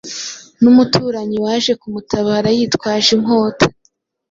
n’umuturanyi waje kumutabara yitwaje inkota